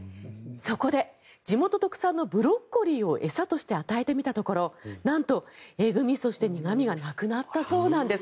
そこで地元特産のブロッコリーを餌として与えてみたところなんとえぐ味、そして苦味がなくなったそうなんです。